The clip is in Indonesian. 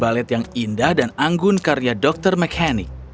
gaun balet yang indah dan anggun karya dokter mekanik